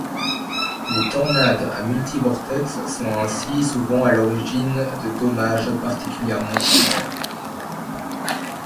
Les tornades à multi-vortex sont ainsi souvent à l'origine de dommages particulièrement sévères.